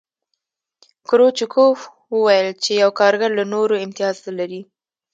کرو چکوف وویل چې یو کارګر له نورو امتیاز لري